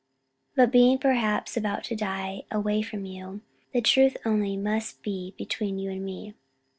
But being perhaps about to die, away from you, the truth only must be between you and me.